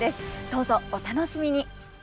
どうぞお楽しみに！